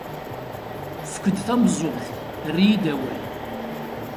Efk-d tameẓẓuɣt, err-iyi-d awal.